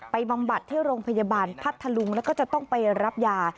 บำบัดที่โรงพยาบาลพัทธลุงแล้วก็จะต้องไปรับยา